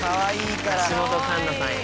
橋本環奈さんや。